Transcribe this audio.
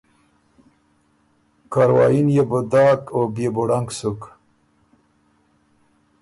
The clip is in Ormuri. کاروايي ن يې بو داک او بيې بو ړنګ سُک۔